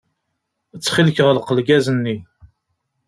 Ttxil-k, ɣleq lgaz-nni.